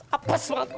apas banget lu